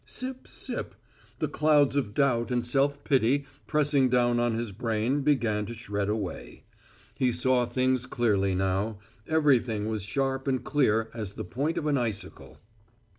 Sip sip; the clouds of doubt and self pity pressing down on his brain began to shred away. He saw things clearly now; everything was sharp and clear as the point of an icicle.